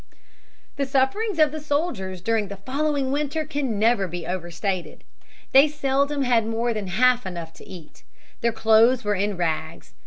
The sufferings of the soldiers during the following winter can never be overstated. They seldom had more than half enough to eat. Their clothes were in rags.